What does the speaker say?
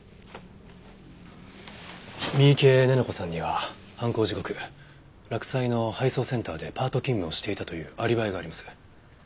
三池寧々子さんには犯行時刻洛西の配送センターでパート勤務をしていたというアリバイがあります。